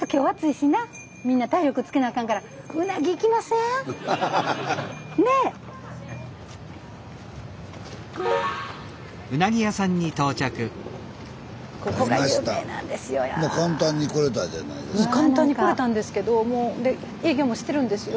スタジオ簡単に来れたんですけどで営業もしてるんですよ。